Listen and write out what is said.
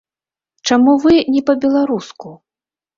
Чаму вы не па-беларуску?